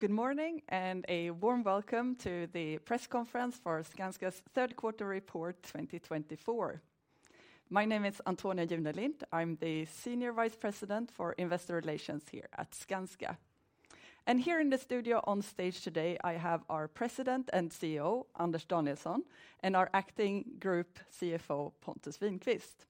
Good morning and a warm welcome to the press conference for Skanska's third quarter report 2024. My name is Antonia Junelind. I'm the Senior Vice President for Investor Relations here at Skanska. And here in the studio on stage today, I have our President and CEO, Anders Danielsson, and our Acting Group CFO, Pontus Winqvist.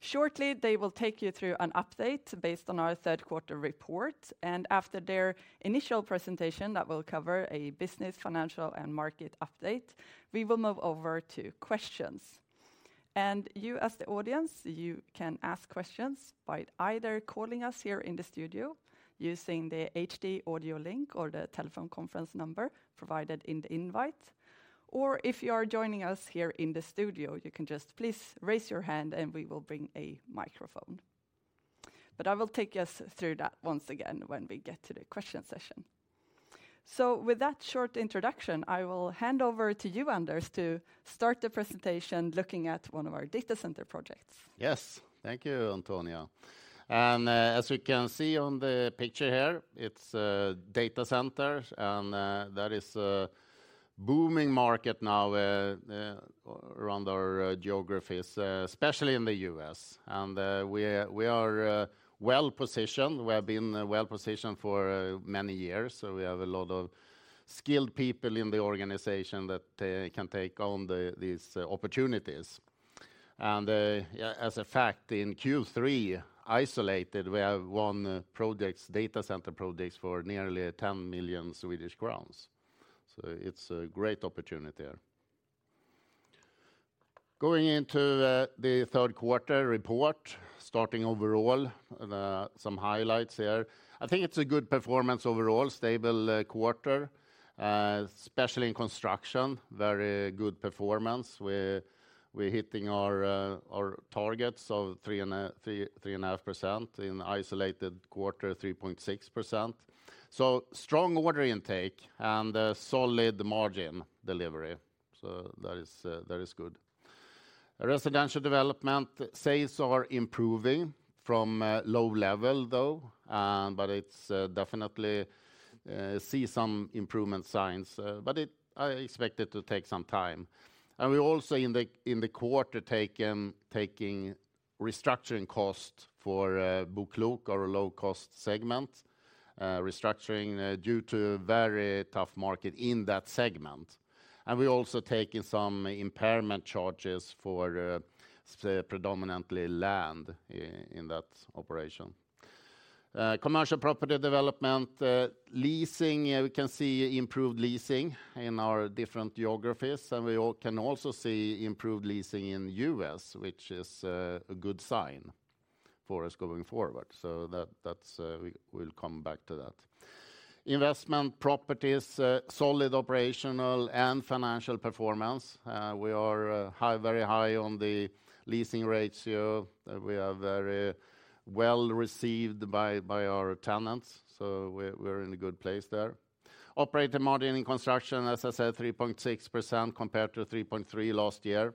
Shortly, they will take you through an update based on our third quarter report. And after their initial presentation that will cover a business, financial, and market update, we will move over to questions. And you, as the audience, you can ask questions by either calling us here in the studio using the HD audio link or the telephone conference number provided in the invite. Or if you are joining us here in the studio, you can just please raise your hand and we will bring a microphone. But I will take us through that once again when we get to the question session. So with that short introduction, I will hand over to you, Anders, to start the presentation looking at one of our data center projects. Yes, thank you, Antonia. And as you can see on the picture here, it's a data center and that is a booming market now around our geographies, especially in the US. And we are well positioned. We have been well positioned for many years. So we have a lot of skilled people in the organization that can take on these opportunities. And as a fact, in Q3 isolated, we have one project, data center projects for nearly 10 million Swedish crowns. So it's a great opportunity here. Going into the third quarter report, starting overall, some highlights here. I think it's a good performance overall, stable quarter, especially in construction, very good performance. We're hitting our targets of 3.5% in isolated quarter, 3.6%. So strong order intake and solid margin delivery. So that is good. Residential development sales are improving from low level, though, but it's definitely see some improvement signs, but I expect it to take some time. And we also in the quarter taking restructuring cost for BoKlok or a low cost segment, restructuring due to very tough market in that segment. And we also take in some impairment charges for predominantly land in that operation. Commercial property development leasing, we can see improved leasing in our different geographies, and we can also see improved leasing in the U.S., which is a good sign for us going forward, so we'll come back to that. Investment properties, solid operational and financial performance. We are very high on the leasing ratio. We are very well received by our tenants, so we're in a good place there. Operating margin in construction, as I said, 3.6% compared to 3.3% last year.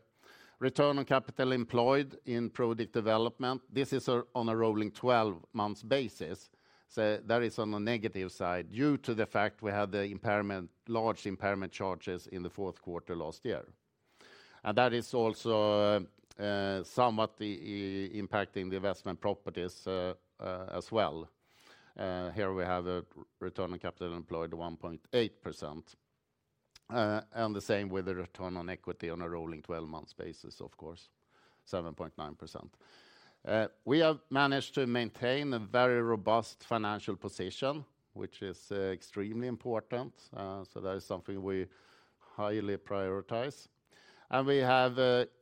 Return on Capital Employed in project development. This is on a rolling 12 months basis. So that is on the negative side due to the fact we had large impairment charges in the fourth quarter last year. And that is also somewhat impacting the investment properties as well. Here we have a Return on Capital Employed of 1.8%. And the same with the Return on Equity on a rolling 12 months basis, of course, 7.9%. We have managed to maintain a very robust financial position, which is extremely important. So that is something we highly prioritize. And we have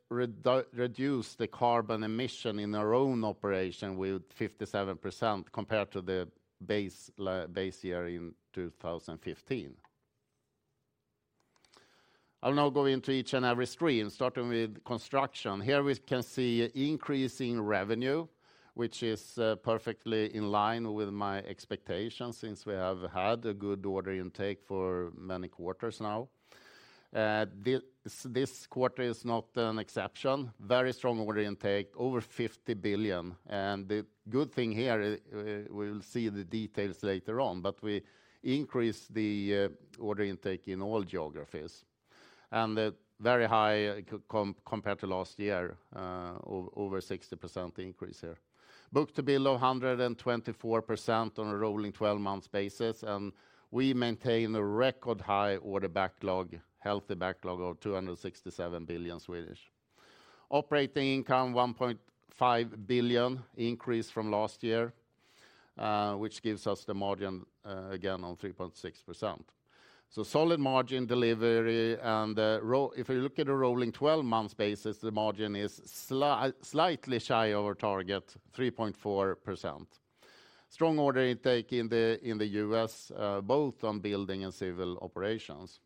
reduced the carbon emission in our own operation with 57% compared to the base year in 2015. I'll now go into each and every stream, starting with construction. Here we can see increasing revenue, which is perfectly in line with my expectations since we have had a good order intake for many quarters now. This quarter is not an exception. Very strong order intake, over 50 billion. And the good thing here, we will see the details later on, but we increased the order intake in all geographies. And very high compared to last year, over 60% increase here. Book-to-bill of 124% on a rolling 12 months basis. And we maintain a record high order backlog, healthy backlog of 267 billion. Operating income 1.5 billion increased from last year, which gives us the margin again on 3.6%. So solid margin delivery. And if you look at a rolling 12 months basis, the margin is slightly shy of our target, 3.4%. Strong order intake in the U.S., both on building and civil operations.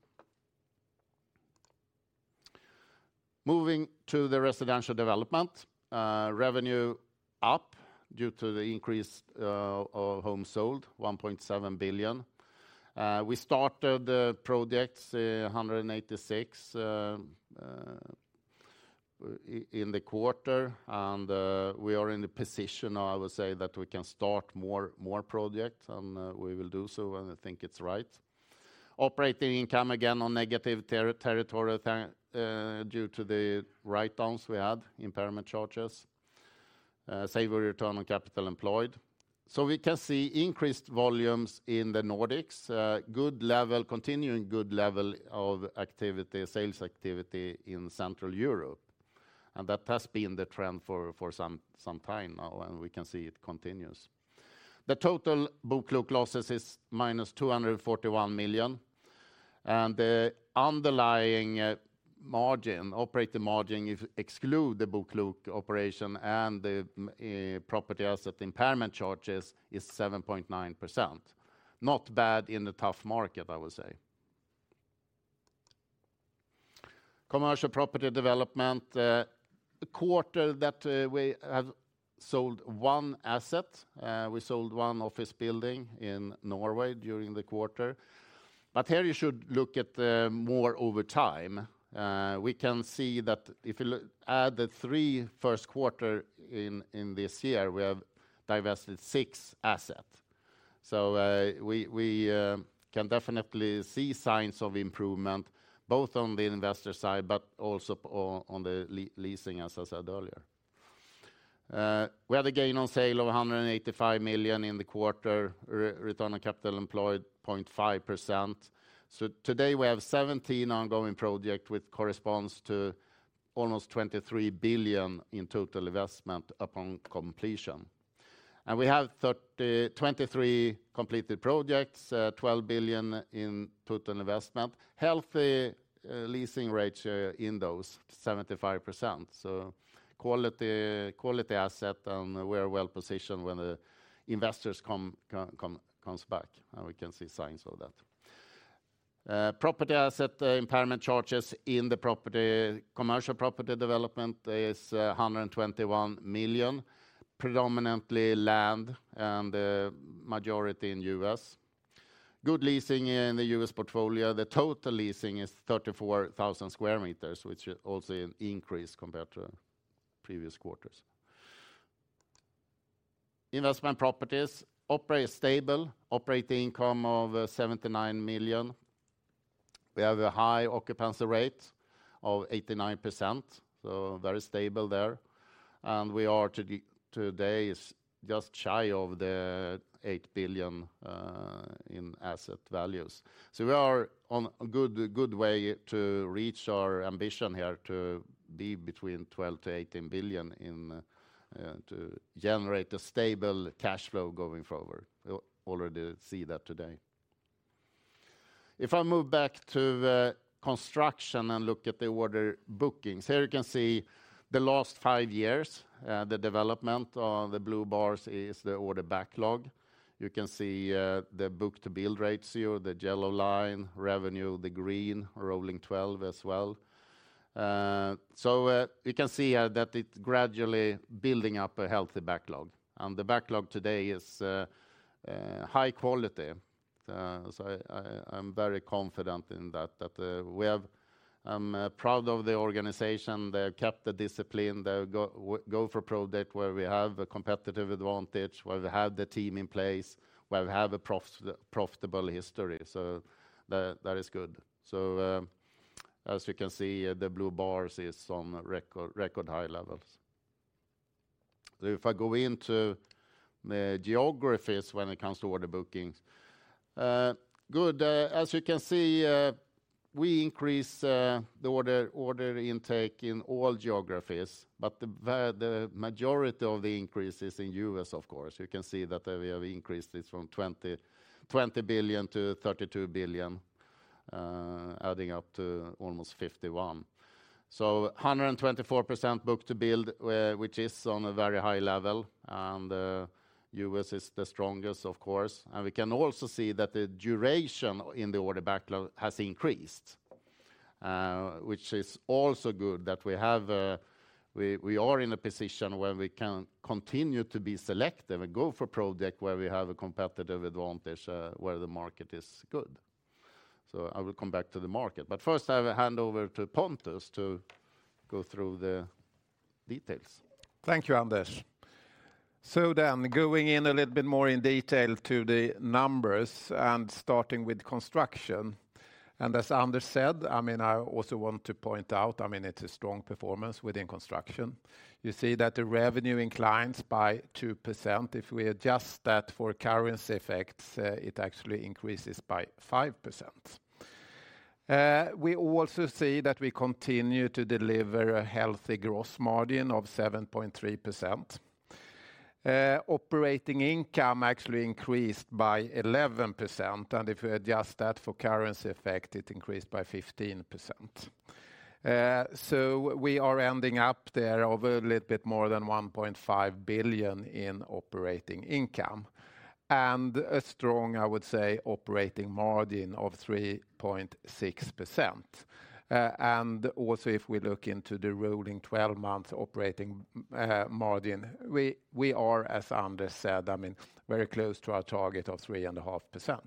Moving to the residential development, revenue up due to the increase of home sold, 1.7 billion. We started projects 186 in the quarter. And we are in the position, I would say, that we can start more projects and we will do so when I think it's right. Operating income again on negative territory due to the write-downs we had, impairment charges, satisfactory return on capital employed. So we can see increased volumes in the Nordics, good level, continuing good level of activity, sales activity in Central Europe. And that has been the trend for some time now and we can see it continues. The total BoKlok losses is minus 241 million. And the underlying margin, operating margin exclude the BoKlok operation and the property asset impairment charges is 7.9%. Not bad in a tough market, I would say. Commercial property development, quarter that we have sold one asset. We sold one office building in Norway during the quarter. But here you should look at more over time. We can see that if you add the three first quarter in this year, we have divested six assets. So we can definitely see signs of improvement both on the investor side, but also on the leasing, as I said earlier. We had a gain on sale of 185 million in the quarter, return on capital employed 0.5%. So today we have 17 ongoing projects with corresponds to almost 23 billion in total investment upon completion. And we have 23 completed projects, 12 billion in total investment, healthy leasing rates in those, 75%. So quality asset and we are well positioned when the investors come back and we can see signs of that. Property asset impairment charges in the property, commercial property development is 121 million, predominantly land and majority in the U.S. Good leasing in the U.S. portfolio. The total leasing is 34,000 square meters, which is also an increase compared to previous quarters. Investment properties operate stable, operating income of 79 million. We have a high occupancy rate of 89%, so very stable there. And we are today just shy of the 8 billion in asset values. So we are on a good way to reach our ambition here to be between 12 to 18 billion to generate a stable cash flow going forward. We already see that today. If I move back to construction and look at the order bookings, here you can see the last five years, the development of the blue bars is the order backlog. You can see the book-to-bill ratio, the yellow line, revenue, the green, rolling 12 as well. So you can see that it's gradually building up a healthy backlog. And the backlog today is high quality. So I'm very confident in that. We have. I'm proud of the organization. They've kept the discipline. They go for project where we have a competitive advantage, where we have the team in place, where we have a profitable history. So that is good. So as you can see, the blue bars is on record high levels. So if I go into the geographies when it comes to order bookings, good. As you can see, we increase the order intake in all geographies, but the majority of the increase is in the US, of course. You can see that we have increased it from 20 billion to 32 billion, adding up to almost 51 billion, so 124% book-to-bill, which is on a very high level, and the U.S. is the strongest, of course, and we can also see that the duration in the order backlog has increased, which is also good that we are in a position where we can continue to be selective and go for project where we have a competitive advantage where the market is good, so I will come back to the market, but first, I have a handover to Pontus to go through the details. Thank you, Anders. So then going in a little bit more in detail to the numbers and starting with construction, and as Anders said, I mean, I also want to point out, I mean, it's a strong performance within construction. You see that the revenue inclines by 2%. If we adjust that for currency effects, it actually increases by 5%. We also see that we continue to deliver a healthy gross margin of 7.3%. Operating income actually increased by 11%, and if we adjust that for currency effect, it increased by 15%. So we are ending up there of a little bit more than 1.5 billion in operating income, and a strong, I would say, operating margin of 3.6%, and also if we look into the rolling 12 months operating margin, we are, as Anders said, I mean, very close to our target of 3.5%.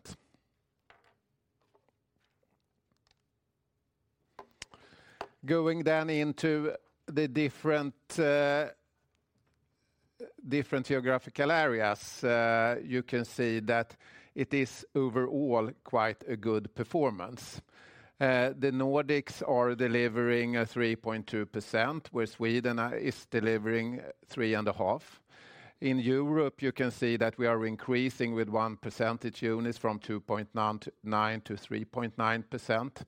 Going then into the different geographical areas, you can see that it is overall quite a good performance. The Nordics are delivering a 3.2%, where Sweden is delivering 3.5%. In Europe, you can see that we are increasing with 1% each unit from 2.9% to 3.9%.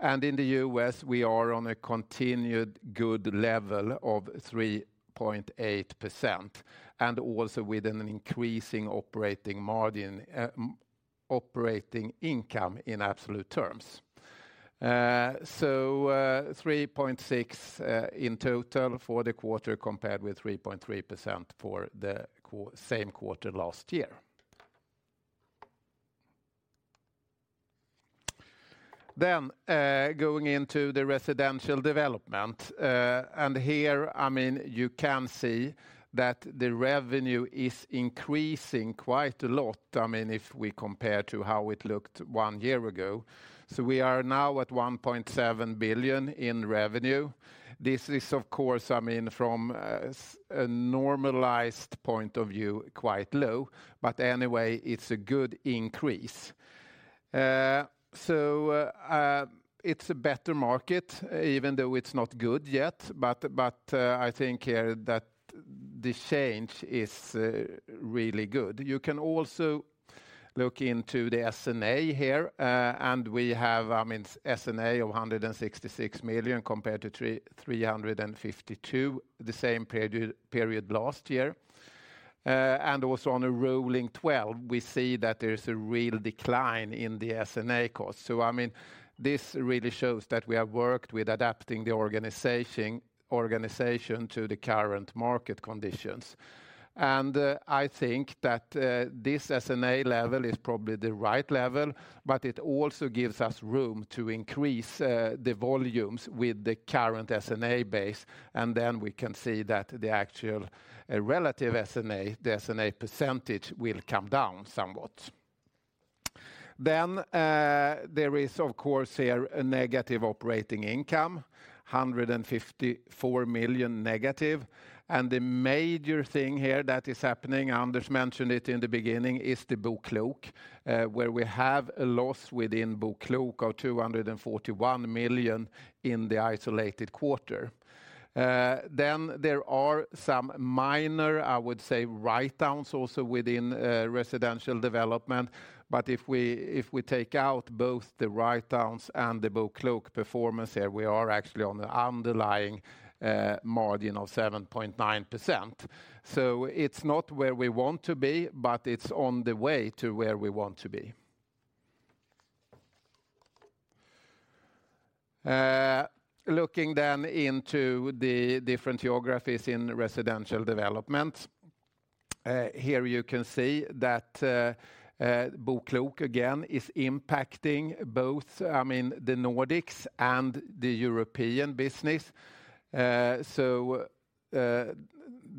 And in the U.S., we are on a continued good level of 3.8%. And also with an increasing operating margin, operating income in absolute terms. So 3.6% in total for the quarter compared with 3.3% for the same quarter last year. Then going into the residential development. And here, I mean, you can see that the revenue is increasing quite a lot. I mean, if we compare to how it looked one year ago. So we are now at 1.7 billion in revenue. This is, of course, I mean, from a normalized point of view, quite low. But anyway, it's a good increase. So it's a better market, even though it's not good yet, but I think here that the change is really good. You can also look into the S&A here, and we have, I mean, S&A of 166 million compared to 352 million the same period last year. And also on a rolling 12, we see that there's a real decline in the S&A costs. So I mean, this really shows that we have worked with adapting the organization to the current market conditions. And I think that this S&A level is probably the right level, but it also gives us room to increase the volumes with the current S&A base. And then we can see that the actual relative S&A, the S&A percentage will come down somewhat. Then there is, of course, here a negative operating income, 154 million negative. The major thing here that is happening, Anders mentioned it in the beginning, is the BoKlok, where we have a loss within BoKlok of 241 million in the isolated quarter. There are some minor, I would say, write-downs also within residential development. If we take out both the write-downs and the BoKlok performance here, we are actually on the underlying margin of 7.9%. It's not where we want to be, but it's on the way to where we want to be. Looking into the different geographies in residential development, here you can see that BoKlok again is impacting both, I mean, the Nordics and the European business. The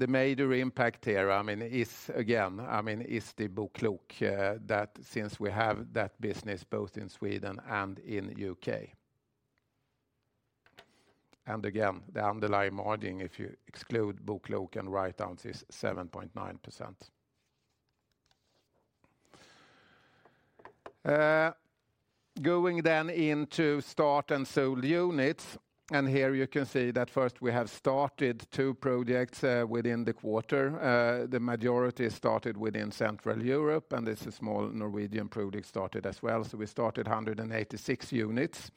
major impact here, I mean, is again, I mean, is the BoKlok that since we have that business both in Sweden and in the U.K. Again, the underlying margin, if you exclude BoKlok and write-downs, is 7.9%. Going then into start and sold units. Here you can see that first we have started two projects within the quarter. The majority started within Central Europe. This is a small Norwegian project started as well. So we started 186 units.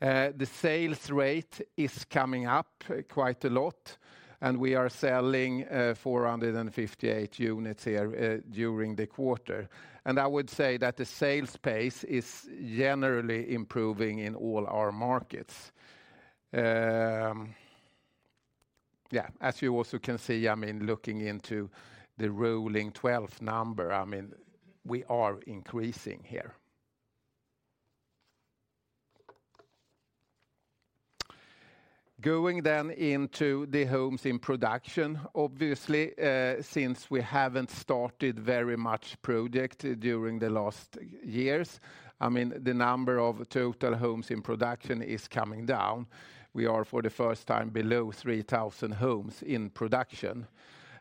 The sales rate is coming up quite a lot. We are selling 458 units here during the quarter. I would say that the sales pace is generally improving in all our markets. Yeah, as you also can see, I mean, looking into the rolling 12 number, I mean, we are increasing here. Going then into the homes in production, obviously, since we haven't started very much projects during the last years, I mean, the number of total homes in production is coming down. We are for the first time below 3,000 homes in production.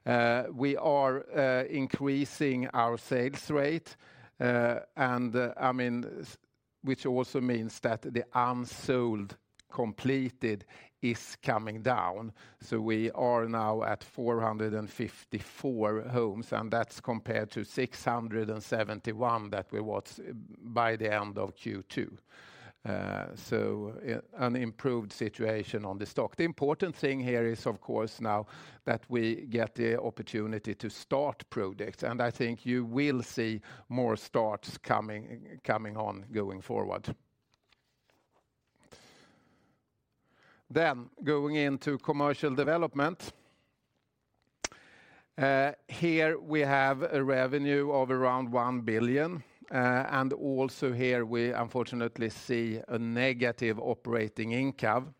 We are increasing our sales rate, and I mean, which also means that the unsold completed is coming down, so we are now at 454 homes, and that's compared to 671 that we watched by the end of Q2, so an improved situation on the stock. The important thing here is, of course, now that we get the opportunity to start projects, and I think you will see more starts coming on going forward, then going into commercial development. Here we have a revenue of around 1 billion, and also here we unfortunately see a negative operating income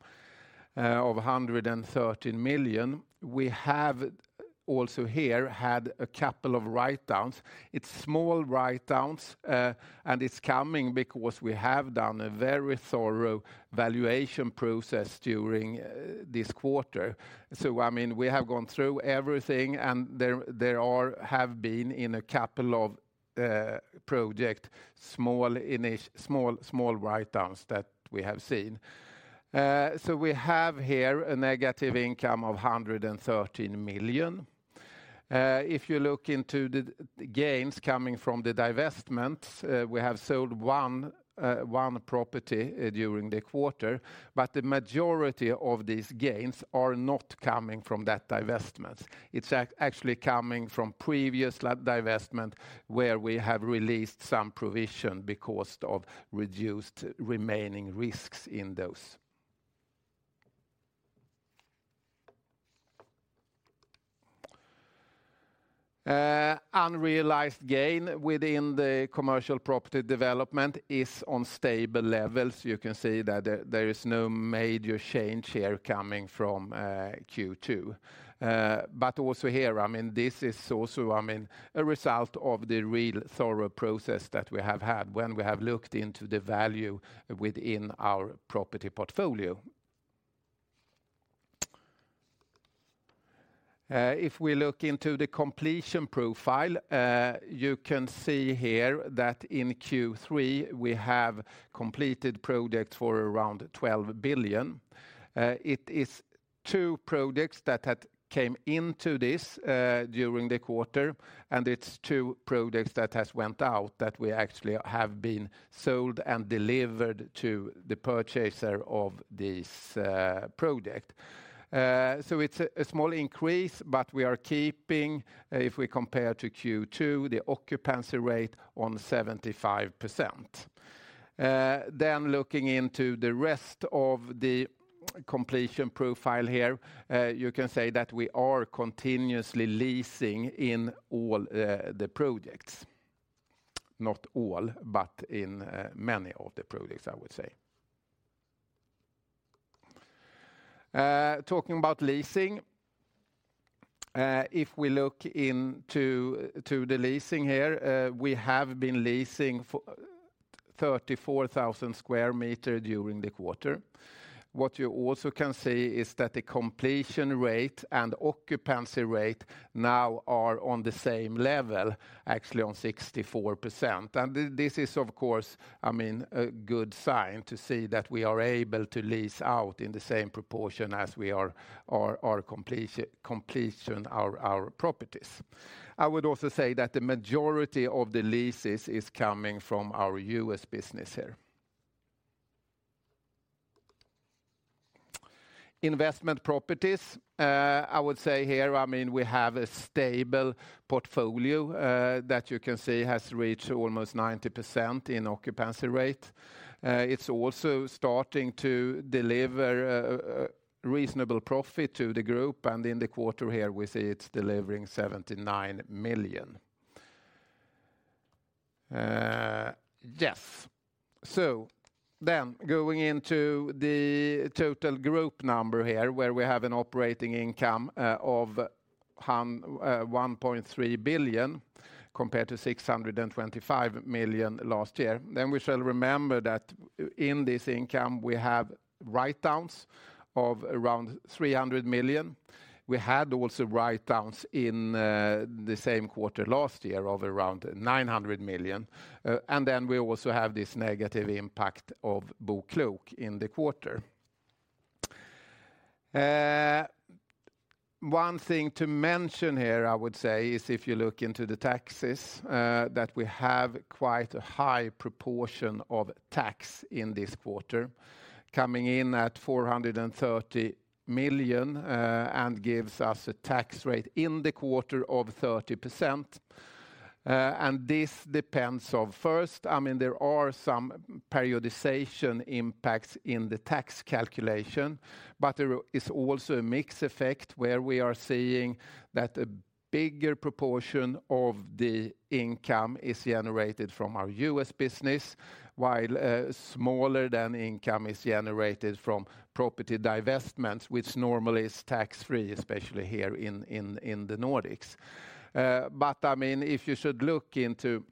of 113 million. We have also here had a couple of write-downs. It's small write-downs, and it's coming because we have done a very thorough valuation process during this quarter, so I mean, we have gone through everything. There have been, in a couple of projects, small write-downs that we have seen. So we have here a negative income of 113 million. If you look into the gains coming from the divestments, we have sold one property during the quarter. But the majority of these gains are not coming from that divestment. It's actually coming from previous divestment where we have released some provision because of reduced remaining risks in those. Unrealized gain within the commercial property development is on stable levels. You can see that there is no major change here coming from Q2. But also here, I mean, this is also, I mean, a result of the real thorough process that we have had when we have looked into the value within our property portfolio. If we look into the completion profile, you can see here that in Q3 we have completed projects for around 12 billion. It is two projects that came into this during the quarter. And it's two projects that have went out that we actually have been sold and delivered to the purchaser of this project. So it's a small increase, but we are keeping, if we compare to Q2, the occupancy rate on 75%. Then looking into the rest of the completion profile here, you can say that we are continuously leasing in all the projects. Not all, but in many of the projects, I would say. Talking about leasing, if we look into the leasing here, we have been leasing 34,000 square meters during the quarter. What you also can see is that the completion rate and occupancy rate now are on the same level, actually on 64%. This is, of course, I mean, a good sign to see that we are able to lease out in the same proportion as we are completing our properties. I would also say that the majority of the leases is coming from our US business here. Investment properties, I would say here, I mean, we have a stable portfolio that you can see has reached almost 90% in occupancy rate. It's also starting to deliver reasonable profit to the group. In the quarter here, we see it's delivering 79 million. Yes. Going into the total group number here, where we have an operating income of 1.3 billion compared to 625 million last year. We shall remember that in this income, we have write-downs of around 300 million. We had also write-downs in the same quarter last year of around 900 million. And then we also have this negative impact of BoKlok in the quarter. One thing to mention here, I would say, is if you look into the taxes, that we have quite a high proportion of tax in this quarter, coming in at 430 million and gives us a tax rate in the quarter of 30%. And this depends on first, I mean, there are some periodization impacts in the tax calculation, but there is also a mixed effect where we are seeing that a bigger proportion of the income is generated from our U.S. business, while smaller than income is generated from property divestments, which normally is tax-free, especially here in the Nordics. But I mean, if you should look into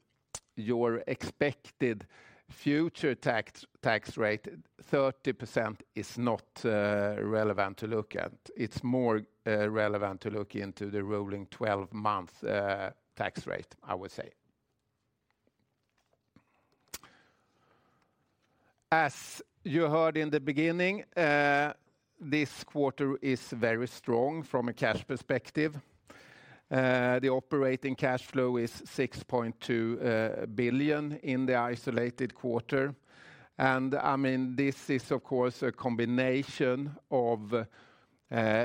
your expected future tax rate, 30% is not relevant to look at. It's more relevant to look into the rolling 12-month tax rate, I would say. As you heard in the beginning, this quarter is very strong from a cash perspective. The operating cash flow is 6.2 billion in the isolated quarter, and I mean, this is, of course, a combination of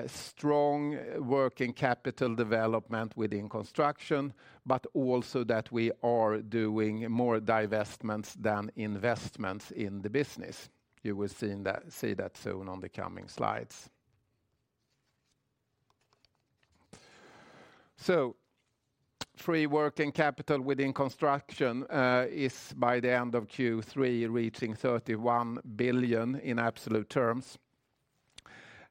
strong working capital development within construction, but also that we are doing more divestments than investments in the business. You will see that soon on the coming slides, so free working capital within construction is by the end of Q3 reaching 31 billion in absolute terms.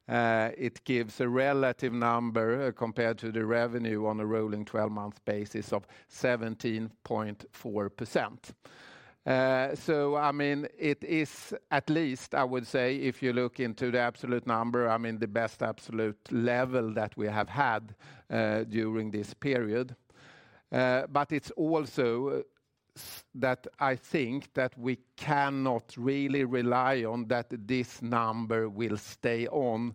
It gives a relative number compared to the revenue on a rolling 12-month basis of 17.4%, so I mean, it is at least, I would say, if you look into the absolute number, I mean, the best absolute level that we have had during this period. But it's also that I think that we cannot really rely on that this number will stay on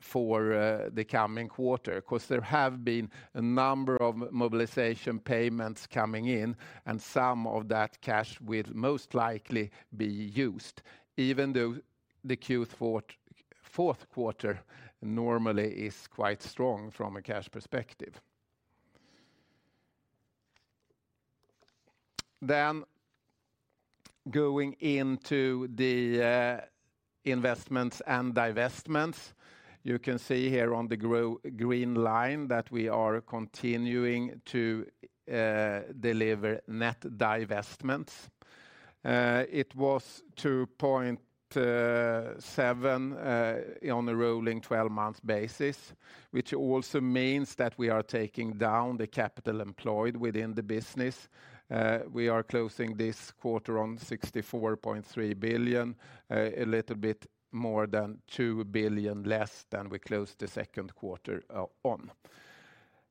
for the coming quarter, because there have been a number of mobilization payments coming in, and some of that cash will most likely be used, even though the Q4 quarter normally is quite strong from a cash perspective. Then going into the investments and divestments, you can see here on the green line that we are continuing to deliver net divestments. It was 2.7 billion on a rolling 12-month basis, which also means that we are taking down the capital employed within the business. We are closing this quarter on 64.3 billion, a little bit more than 2 billion less than we closed the second quarter on.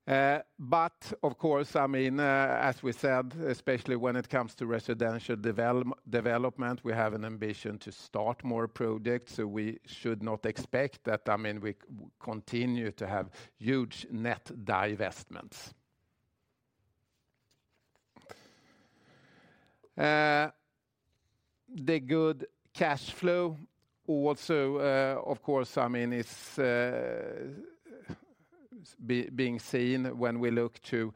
But of course, I mean, as we said, especially when it comes to residential development, we have an ambition to start more projects. So we should not expect that, I mean, we continue to have huge net divestments. The good cash flow also, of course, I mean, is being seen when we look to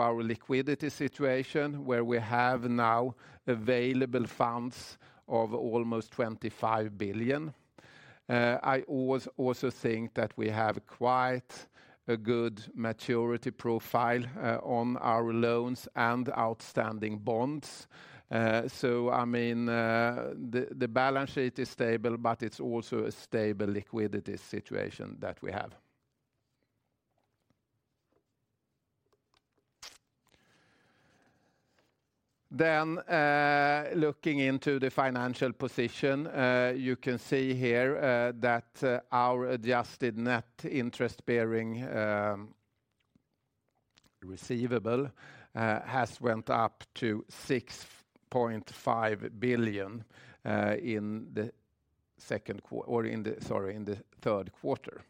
our liquidity situation, where we have now available funds of almost 25 billion. I also think that we have quite a good maturity profile on our loans and outstanding bonds. So I mean, the balance sheet is stable, but it's also a stable liquidity situation that we have. Then looking into the financial position, you can see here that our adjusted net interest-bearing receivable has went up to 6.5 billion in the second quarter, or in the, sorry, in the third quarter.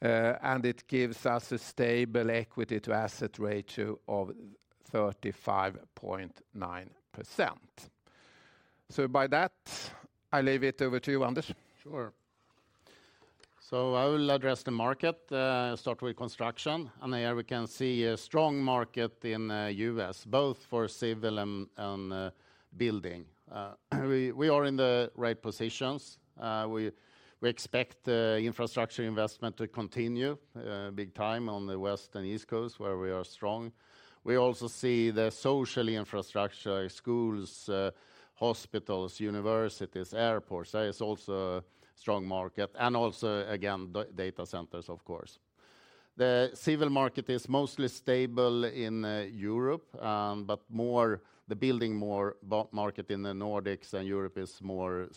And it gives us a stable equity to asset ratio of 35.9%. So by that, I leave it over to you, Anders. Sure. So I will address the market, start with construction. Here we can see a strong market in the U.S., both for civil and building. We are in the right positions. We expect infrastructure investment to continue big time on the West Coast and East Coast, where we are strong. We also see the social infrastructure, schools, hospitals, universities, airports. That is also a strong market. And also, again, data centers, of course. The civil market is mostly stable in Europe, but the building market in the Nordics and Europe is more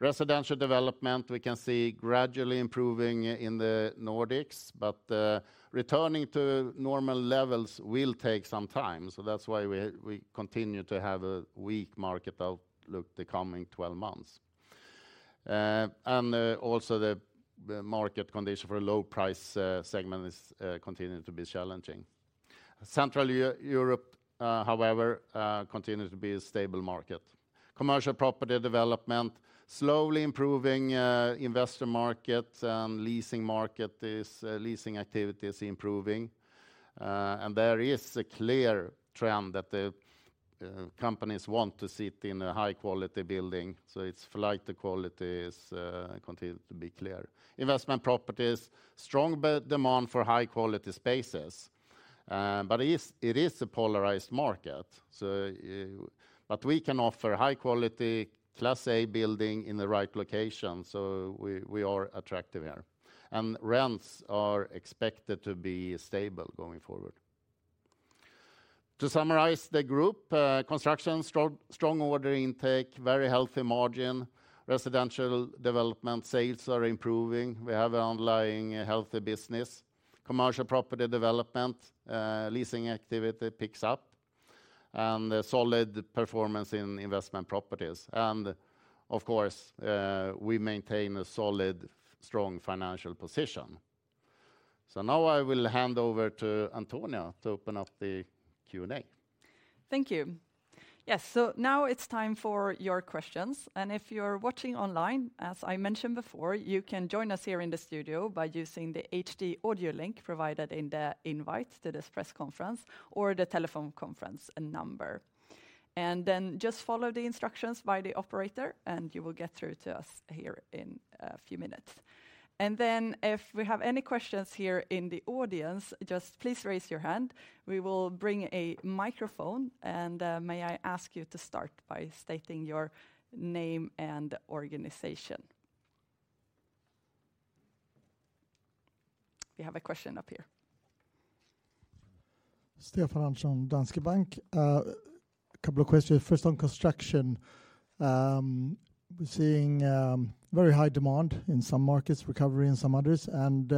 slow. Residential development, we can see gradually improving in the Nordics, but returning to normal levels will take some time. So that's why we continue to have a weak market outlook the coming 12 months. And also the market condition for a low-price segment is continuing to be challenging. Central Europe, however, continues to be a stable market. Commercial property development, slowly improving investor market and leasing market. Leasing activity is improving. And there is a clear trend that the companies want to sit in a high-quality building. So it's flight to quality continues to be clear. Investment properties, strong demand for high-quality spaces. But it is a polarized market. But we can offer high-quality Class A building in the right location. So we are attractive here. And rents are expected to be stable going forward. To summarize the group, construction, strong order intake, very healthy margin. Residential development sales are improving. We have an underlying healthy business. Commercial property development, leasing activity picks up. And solid performance in investment properties. And of course, we maintain a solid, strong financial position. So now I will hand over to Antonia to open up the Q&A. Thank you. Yes, so now it's time for your questions. If you're watching online, as I mentioned before, you can join us here in the studio by using the HD audio link provided in the invite to this press conference or the telephone conference number. Then just follow the instructions by the operator, and you will get through to us here in a few minutes. Then if we have any questions here in the audience, just please raise your hand. We will bring a microphone. May I ask you to start by stating your name and organization? We have a question up here. Stefan Andersson, Danske Bank. A couple of questions. First on construction. We're seeing very high demand in some markets, recovery in some others, and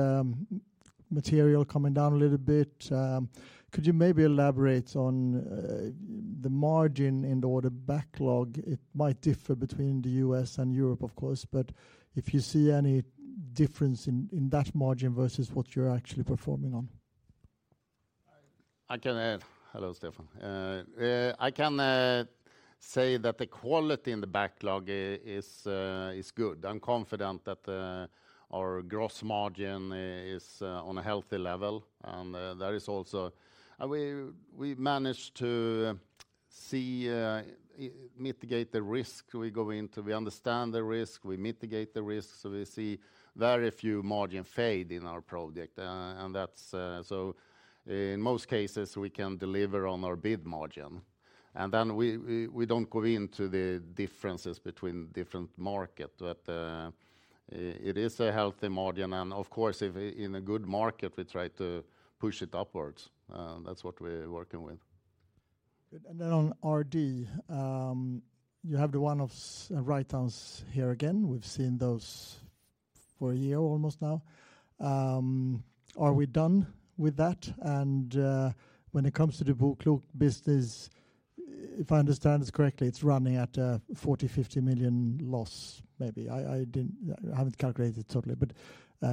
material coming down a little bit. Could you maybe elaborate on the margin in the order backlog? It might differ between the U.S. and Europe, of course, but if you see any difference in that margin versus what you're actually performing on? I can add, hello, Stefan. I can say that the quality in the backlog is good. I'm confident that our gross margin is on a healthy level, and that is also, we managed to see, mitigate the risk we go into. We understand the risk, we mitigate the risk. So we see very few margin fade in our project, and that's so in most cases, we can deliver on our bid margin. And then we don't go into the differences between different markets, but it is a healthy margin. And of course, in a good market, we try to push it upwards. That's what we're working with. And then on RD, you have the one-offs and write-downs here again. We've seen those for a year almost now. Are we done with that? And when it comes to the BoKlok business, if I understand it correctly, it's running at a 40-50 million loss maybe. I haven't calculated it totally, but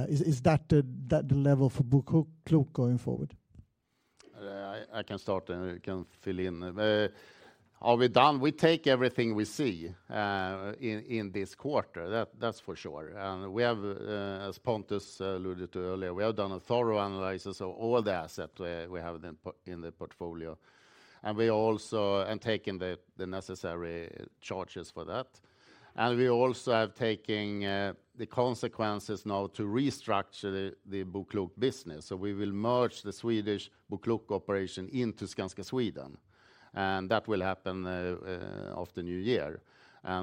is that the level for BoKlok going forward? I can start and you can fill in. Are we done? We take everything we see in this quarter. That's for sure. And we have, as Pontus alluded to earlier, we have done a thorough analysis of all the assets we have in the portfolio. And we also have taken the necessary charges for that. And we also have taken the consequences now to restructure the BoKlok business. So we will merge the Swedish BoKlok operation into Skanska Sweden. And that will happen after New Year.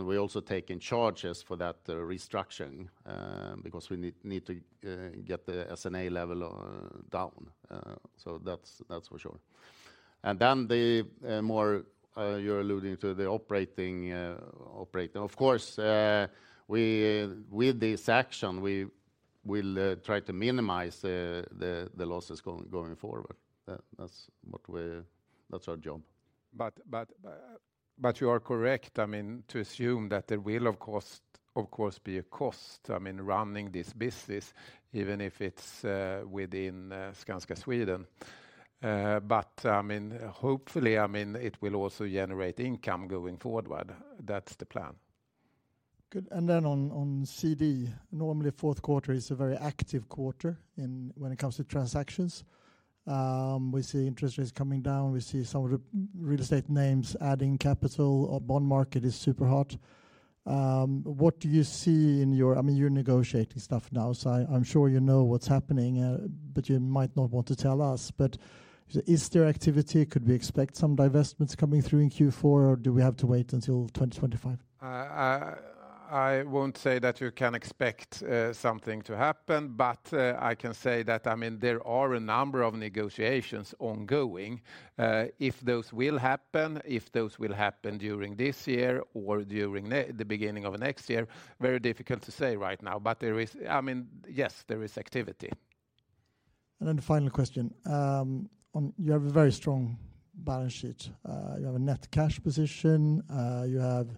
We also take charges for that restructuring because we need to get the S&A level down. So that's for sure. And then the more, you're alluding to the operating, of course, with this action, we will try to minimize the losses going forward. That's our job. But you are correct, I mean, to assume that there will, of course, be a cost, I mean, running this business, even if it's within Skanska Sweden. But I mean, hopefully, I mean, it will also generate income going forward. That's the plan. Good. And then on CD, normally fourth quarter is a very active quarter when it comes to transactions. We see interest rates coming down. We see some of the real estate names adding capital. Bond market is super hot. What do you see in your, I mean, you're negotiating stuff now, so I'm sure you know what's happening, but you might not want to tell us, but is there activity? Could we expect some divestments coming through in Q4, or do we have to wait until 2025? I won't say that you can expect something to happen, but I can say that, I mean, there are a number of negotiations ongoing. If those will happen during this year or during the beginning of next year, very difficult to say right now, but there is, I mean, yes, there is activity, and then the final question. You have a very strong balance sheet. You have a net cash position. You have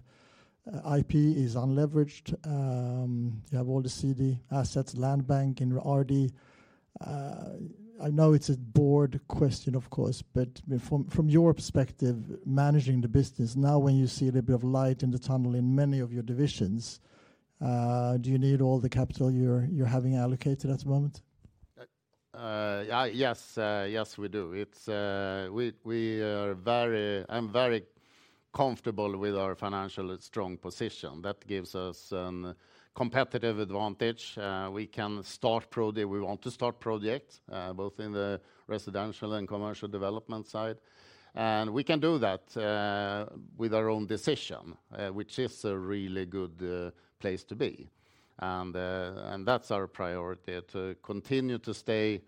IP is unleveraged. You have all the CD assets, Land Bank, RD. I know it's a board question, of course, but from your perspective, managing the business now when you see a little bit of light in the tunnel in many of your divisions, do you need all the capital you're having allocated at the moment? Yes, yes, we do. I'm very comfortable with our financially strong position. That gives us a competitive advantage. We can start projects. We want to start projects, both in the residential and commercial development side. And we can do that with our own decision, which is a really good place to be. And that's our priority to continue to stay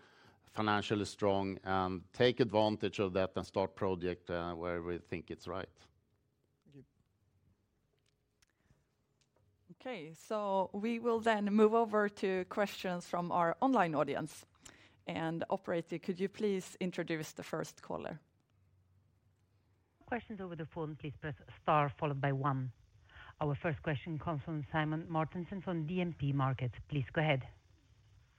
financially strong and take advantage of that and start projects where we think it's right. Thank you. Okay, so we will then move over to questions from our online audience, and operator, could you please introduce the first caller? Questions over the phone, please press star followed by one. Our first question comes from Simen Mortensen Mårtensson on DNB Markets Please go ahead.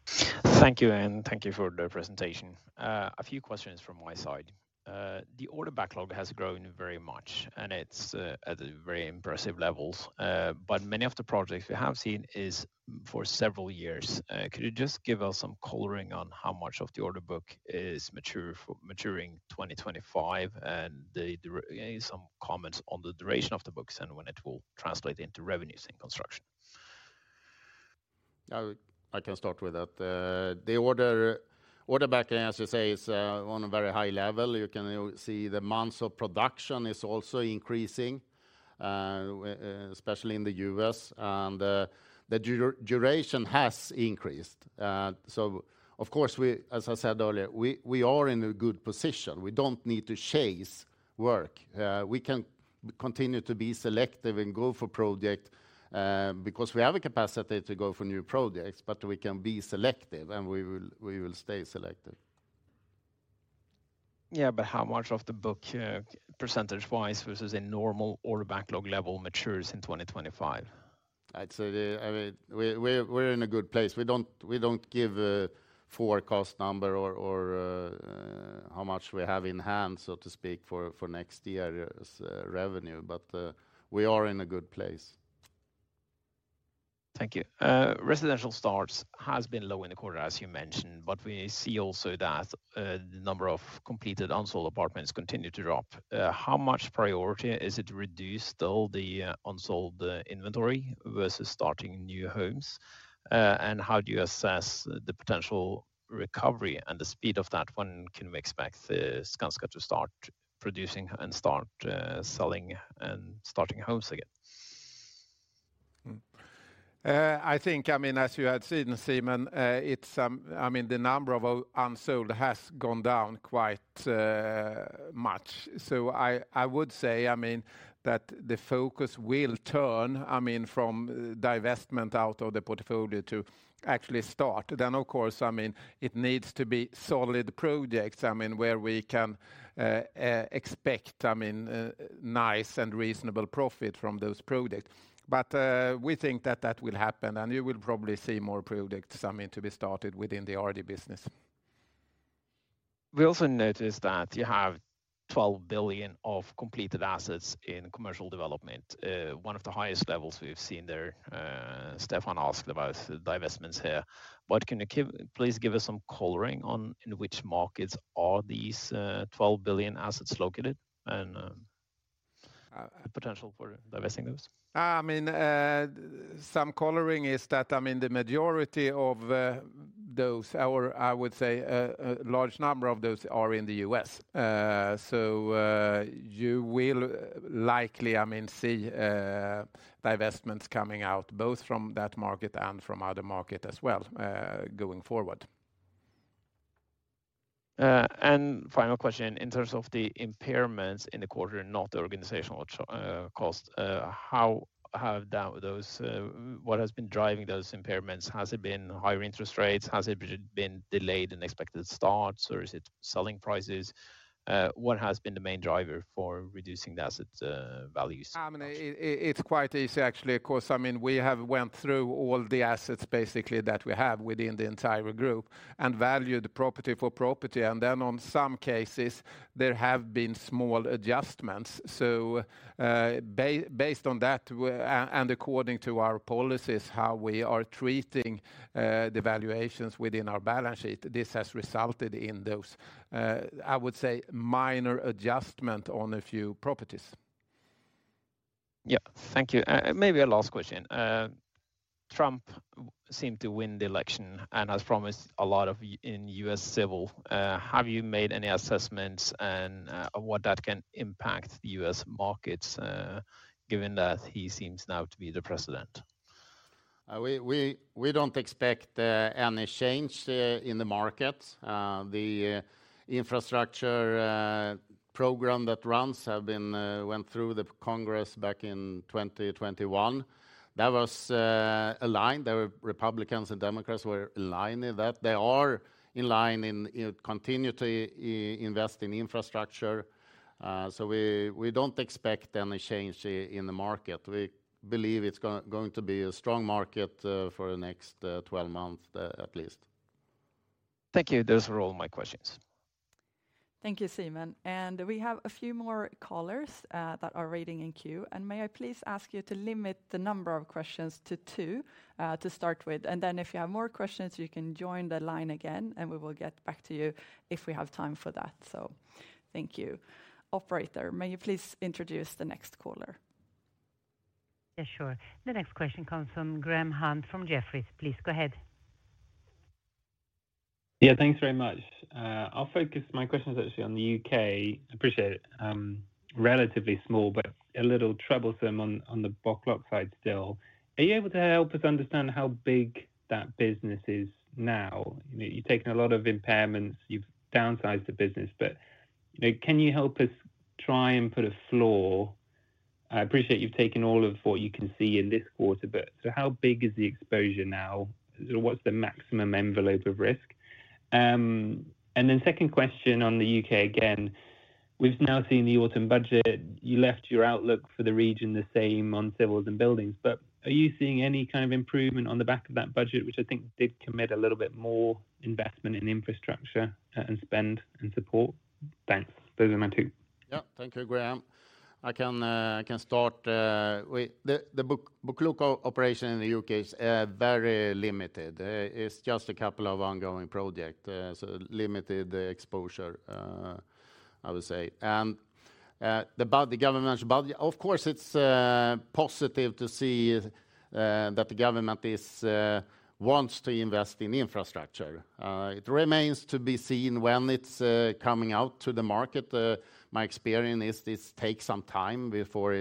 Thank you, and thank you for the presentation. A few questions from my side. The order backlog has grown very much, and it's at a very impressive level. But many of the projects we have seen is for several years. Could you just give us some coloring on how much of the order book is maturing 2025 and some comments on the duration of the books and when it will translate into revenues in construction? I can start with that. The order backlog, as you say, is on a very high level. You can see the months of production is also increasing, especially in the US, and the duration has increased. So of course, as I said earlier, we are in a good position. We don't need to chase work. We can continue to be selective and go for projects because we have a capacity to go for new projects, but we can be selective, and we will stay selective. Yeah, but how much of the book percentage-wise versus a normal order backlog level matures in 2025? I'd say we're in a good place. We don't give a forecast number or how much we have in hand, so to speak, for next year's revenue, but we are in a good place. Thank you. Residential starts has been low in the quarter, as you mentioned, but we see also that the number of completed unsold apartments continue to drop. How much priority is it to reduce still the unsold inventory versus starting new homes? And how do you assess the potential recovery and the speed of that? When can we expect Skanska to start producing and start selling and starting homes again? I think, I mean, as you had seen, Simen, it's, I mean, the number of unsold has gone down quite much. So I would say, I mean, that the focus will turn, I mean, from divestment out of the portfolio to actually start. Then, of course, I mean, it needs to be solid projects, I mean, where we can expect, I mean, nice and reasonable profit from those projects. But we think that that will happen, and you will probably see more projects, I mean, to be started within the RD business. We also noticed that you have 12 billion of completed assets in commercial development, one of the highest levels we've seen there. Stefan asked about divestments here. But can you please give us some coloring on in which markets are these 12 billion assets located and potential for divesting those? I mean, some coloring is that, I mean, the majority of those, or I would say a large number of those are in the U.S. So you will likely, I mean, see divestments coming out both from that market and from other markets as well going forward. And final question, in terms of the impairments in the quarter, not the organizational cost, how have those, what has been driving those impairments? Has it been higher interest rates? Has it been delayed unexpected starts, or is it selling prices? What has been the main driver for reducing the asset values? I mean, it's quite easy actually, because I mean, we have went through all the assets basically that we have within the entire group and valued property for property. And then on some cases, there have been small adjustments. So based on that and according to our policies, how we are treating the valuations within our balance sheet, this has resulted in those, I would say, minor adjustments on a few properties. Yeah, thank you. Maybe a last question. Trump seemed to win the election and has promised a lot in U.S. civil. Have you made any assessments on what that can impact the U.S. markets given that he seems now to be the president? We don't expect any change in the markets. The infrastructure program that runs have been went through the Congress back in 2021. That was aligned. The Republicans and Democrats were in line in that. They are in line in continuity investing infrastructure. So we don't expect any change in the market. We believe it's going to be a strong market for the next 12 months at least. Thank you. Those were all my questions. Thank you, Simen. And we have a few more callers that are waiting in queue. And may I please ask you to limit the number of questions to two to start with? And then if you have more questions, you can join the line again, and we will get back to you if we have time for that. So thank you. Operator, may you please introduce the next caller? Yeah, sure. The next question comes from Graham Hunt from Jefferies. Please go ahead. Yeah, thanks very much. I'll focus my questions actually on the UK. I appreciate it. Relatively small, but a little troublesome on the BoKlok side still. Are you able to help us understand how big that business is now? You've taken a lot of impairments. You've downsized the business, but can you help us try and put a floor? I appreciate you've taken all of what you can see in this quarter, but how big is the exposure now? What's the maximum envelope of risk? And then second question on the U.K. again. We've now seen the autumn budget. You left your outlook for the region the same on civils and buildings, but are you seeing any kind of improvement on the back of that budget, which I think did commit a little bit more investment in infrastructure and spend and support? Thanks. Those are my two. Yeah, thank you, Graham. I can start. The book look operation in the U.K. is very limited. It's just a couple of ongoing projects. So limited exposure, I would say. And the government's budget, of course, it's positive to see that the government wants to invest in infrastructure. It remains to be seen when it's coming out to the market. My experience is this takes some time before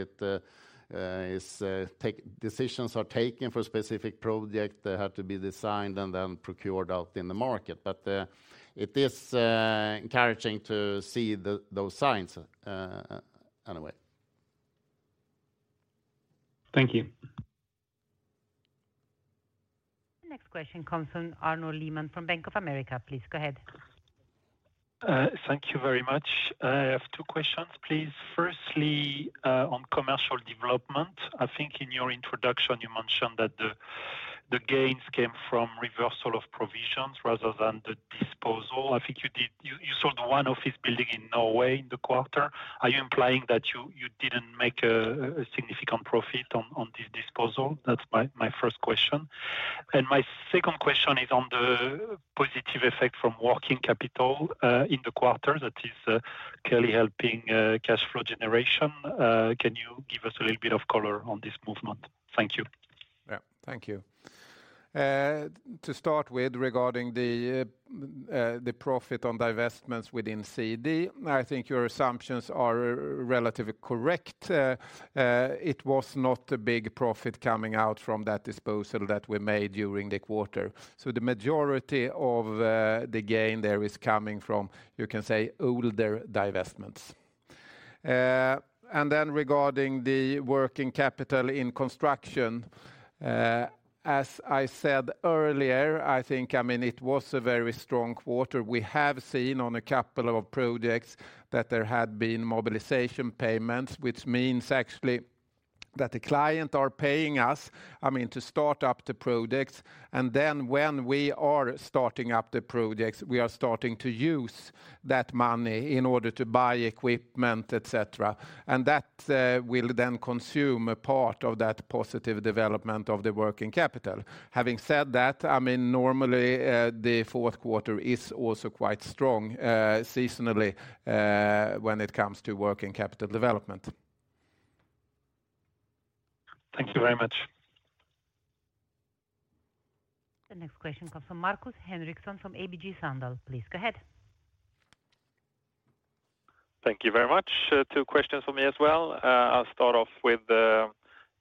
decisions are taken for specific projects that have to be designed and then procured out in the market. But it is encouraging to see those signs anyway. Thank you. Next question comes from Arnaud Lehmann from Bank of America. Please go ahead. Thank you very much. I have two ques tions, please. Firstly, on commercial development, I think in your introduction you mentioned that the gains came from reversal of provisions rather than the disposal. I think you sold one office building in Norway in the quarter. Are you implying that you didn't make a significant profit on this disposal? That's my first question. And my second question is on the positive effect from working capital in the quarter that is clearly helping cash flow generation. Can you give us a little bit of color on this movement? Thank you. Yeah, thank you. To start with, regarding the profit on divestments within CD, I think your assumptions are relatively correct. It was not a big profit coming out from that disposal that we made during the quarter. So the majority of the gain there is coming from, you can say, older divestments. And then regarding the working capital in construction, as I said earlier, I think, I mean, it was a very strong quarter. We have seen on a couple of projects that there had been mobilization payments, which means actually that the clients are paying us, I mean, to start up the projects. And then when we are starting up the projects, we are starting to use that money in order to buy equipment, etc. And that will then consume a part of that positive development of the working capital. Having said that, I mean, normally the fourth quarter is also quite strong seasonally when it comes to working capital development. Thank you very much. The next question comes from Marcus Henriksson from ABG Sundal. Please go ahead. Thank you very much. Two questions for me as well. I'll start off with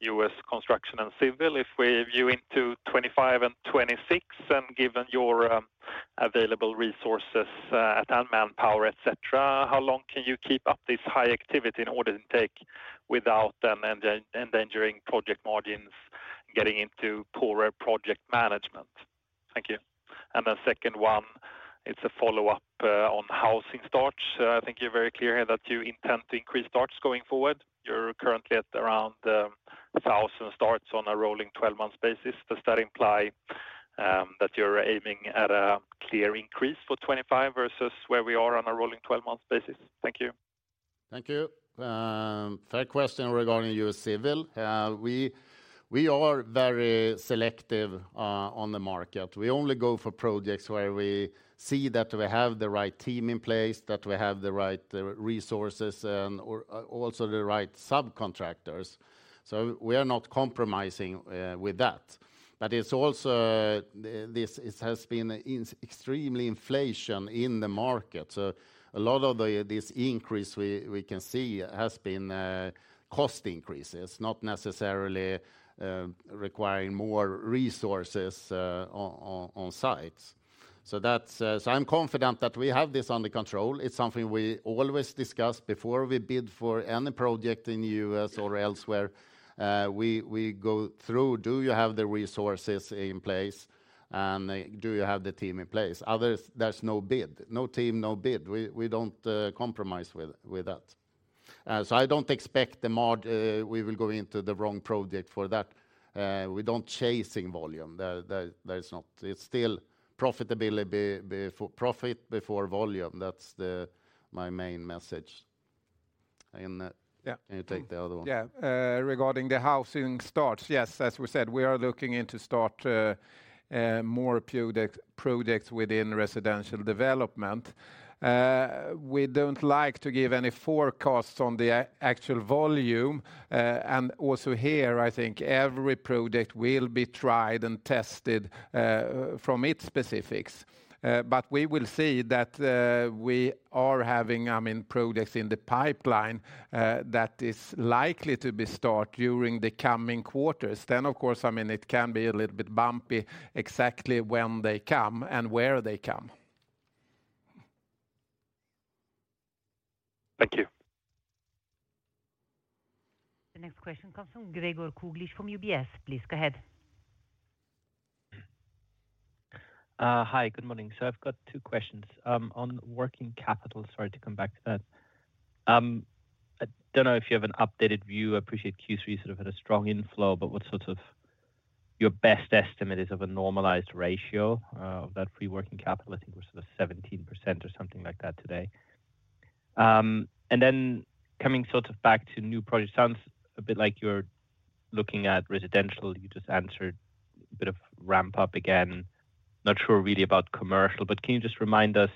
U.S. construction and civil. If we view into 2025 and 2026, and given your available resources at hand, manpower, etc., how long can you keep up this high activity in order to take without then endangering project margins, getting into poorer project management? Thank you. And then second one, it's a follow-up on housing starts. I think you're very clear here that you intend to increase starts going forward. You're currently at around 1,000 starts on a rolling 12-month basis. Does that imply that you're aiming at a clear increase for 2025 versus where we are on a rolling 12-month basis? Thank you. Thank you. Fair question regarding U.S. civil. We are very selective on the market. We only go for projects where we see that we have the right team in place, that we have the right resources, and also the right subcontractors. So we are not compromising with that. But it's also, this has been extreme inflation in the market. So a lot of this increase we can see has been cost increases, not necessarily requiring more resources on sites. So I'm confident that we have this under control. It's something we always discuss before we bid for any project in the U.S. or elsewhere. We go through, do you have the resources in place, and do you have the team in place? Otherwise, there's no bid, no team, no bid. We don't compromise with that. So I don't expect the margin we will go into the wrong project for that. We don't chase in volume. There is not. It's still profitability, profit before volume. That's my main message. Can you take the other one? Yeah, regarding the housing starts, yes. As we said, we are looking into starting more projects within residential development. We don't like to give any forecasts on the actual volume, and also here, I think every project will be tried and tested from its specifics. But we will see that we are having, I mean, projects in the pipeline that is likely to be started during the coming quarters. Then, of course, I mean, it can be a little bit bumpy exactly when they come and where they come. Thank you. The next question comes from Gregor Kuglitsch from UBS. Please go ahead. Hi, good morning. So I've got two questions on working capital. Sorry to come back to that. I don't know if you have an updated view. I appreciate Q3 sort of had a strong inflow, but what sort of your best estimate is of a normalized ratio of that free working capital? I think we're sort of 17% or something like that today. And then coming sort of back to new projects, sounds a bit like you're looking at residential. You just answered a bit of ramp up again. Not sure really about commercial, but can you just remind us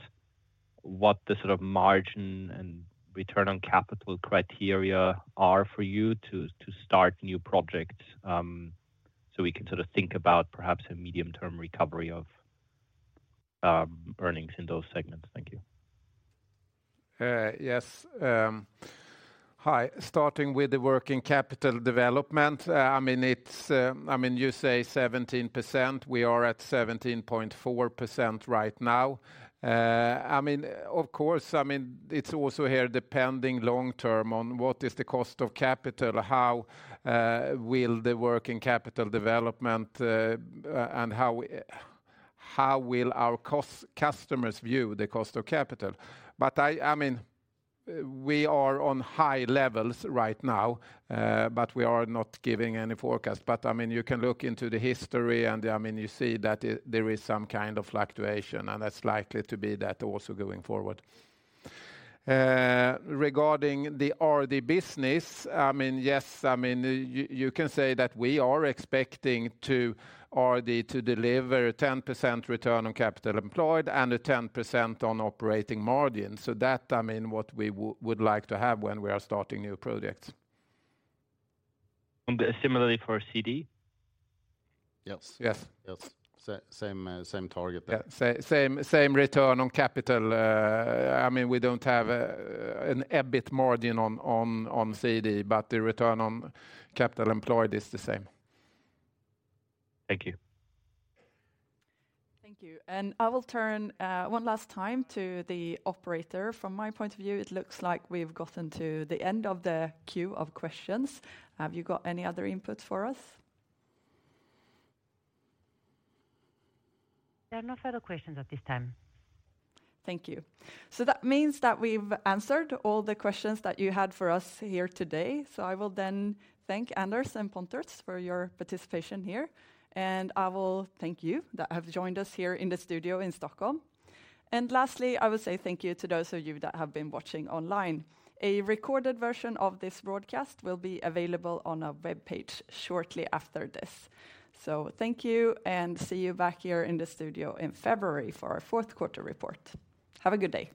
what the sort of margin and return on capital criteria are for you to start new projects so we can sort of think about perhaps a medium-term recovery of earnings in those segments? Thank you. Yes. Hi. Starting with the working capital development, I mean, you say 17%. We are at 17.4% right now. I mean, of course, I mean, it's also here depending long-term on what is the cost of capital, how will the working capital development, and how will our customers view the cost of capital? But I mean, we are on high levels right now, but we are not giving any forecast. But I mean, you can look into the history and I mean, you see that there is some kind of fluctuation and that's likely to be that also going forward. Regarding the RD business, I mean, yes, I mean, you can say that we are expecting RD to deliver a 10% return on capital employed and a 10% on operating margin. So that, I mean, what we would like to have when we are starting new projects. Similarly for CD? Yes. Yes. Yes. Same target there. Same return on capital. I mean, we don't have an EBIT margin on CD, but the return on capital employed is the same. Thank you. Thank you, and I will turn one last time to the operator. From my point of view, it looks like we've gotten to the end of the queue of questions. Have you got any other input for us? There are no further questions at this time. Thank you, so that means that we've answered all the questions that you had for us here today. So I will then thank Anders and Pontus for your participation here. And I will thank you that have joined us here in the studio in Stockholm. And lastly, I will say thank you to those of you that have been watching online. A recorded version of this broadcast will be available on our webpage shortly after this. So thank you and see you back here in the studio in February for our fourth quarter report. Have a good day.